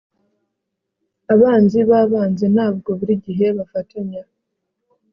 Abanzi babanzi ntabwo buri gihe bafatanya